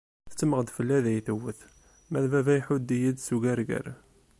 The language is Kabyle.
Tettemmeɣ-d fell-i ad iyi-tewwet, ma d baba iḥudd-iyi-d s ugerger.